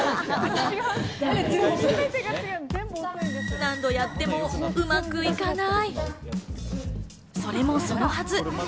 何度やってもうまくいかない。